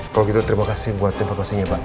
kalau gitu terima kasih buat informasinya pak